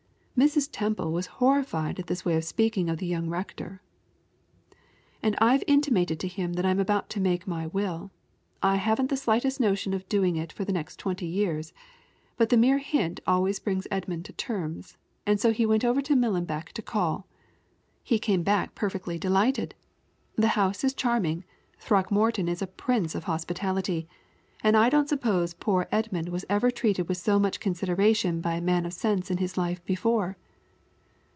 Mrs. Temple was horrified at this way of speaking of the young rector. "And I've intimated to him that I'm about to make my will I haven't the slightest notion of doing it for the next twenty years but the mere hint always brings Edmund to terms, and so he went over to Millenbeck to call. He came back perfectly delighted. The house is charming, Throckmorton is a prince of hospitality, and I don't suppose poor Edmund ever was treated with so much consideration by a man of sense in his life before."